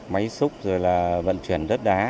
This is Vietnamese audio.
máy xúc rồi là vận chuyển đất đá